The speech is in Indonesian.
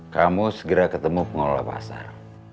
kamu segera ketemu pengelola pasar